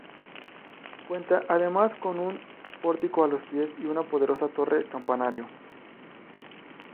Cuenta además con un pórtico a los pies y una poderosa torre-campanario.